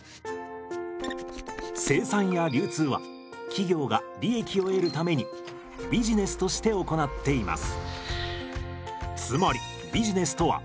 生産や流通は企業が利益を得るためにビジネスとして行っています。